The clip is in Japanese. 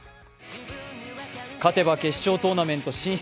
勝てば決勝トーナメント進出。